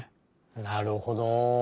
なるほど！